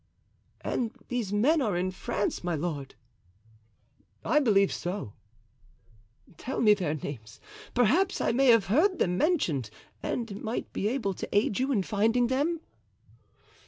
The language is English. "And these men are in France, my lord?" "I believe so." "Tell me their names; perhaps I may have heard them mentioned and might be able to aid you in finding them."